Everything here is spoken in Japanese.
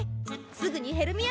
すぐにヘルミア